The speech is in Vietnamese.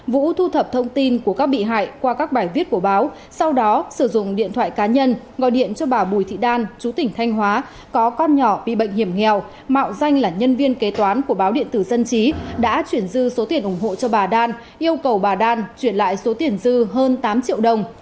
vũ thu thập thông tin của các bị hại qua các bài viết của báo sau đó sử dụng điện thoại cá nhân gọi điện cho bà bùi thị đan chú tỉnh thanh hóa có con nhỏ bị bệnh hiểm nghèo mạo danh là nhân viên kế toán của báo điện tử dân trí đã chuyển dư số tiền ủng hộ cho bà đan yêu cầu bà đan chuyển lại số tiền dư hơn tám triệu đồng